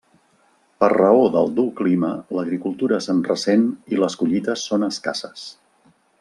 Per raó del dur clima l'agricultura se'n ressent i les collites són escasses.